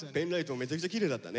めちゃくちゃきれいだったね。